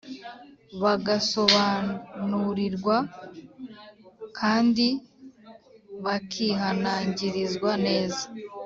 , bagasobanurirwa kandi bakihanangirizwa neza